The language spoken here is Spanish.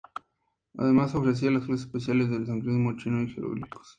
Además ofrecía clases especiales de sánscrito, chino y jeroglíficos.